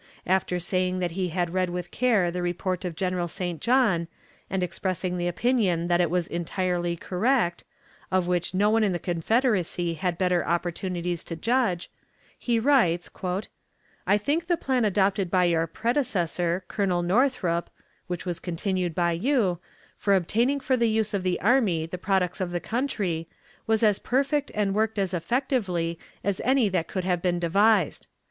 After saying that he had read with care the report of General St. John, and expressing the opinion that it was entirely correct, of which no one in the Confederacy had better opportunities to judge, he writes: "I think the plan adopted by your predecessor, Colonel Northrop (which was continued by you), for obtaining for the use of the army the products of the country, was as perfect and worked as effectively as any that could have been devised.